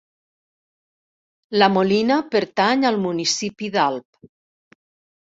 La Molina pertany al municipi d'Alp.